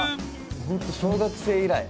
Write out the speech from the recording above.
ホント小学生以来。